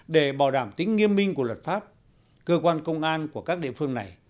để bảo đảm tính nghiêm minh của luật pháp cơ quan công an của các địa phương này